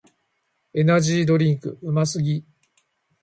エナジードリンクうますぎ